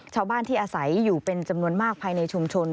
ชาวบ้านที่อาศัยอยู่เป็นจำนวนมากภายในชุมชน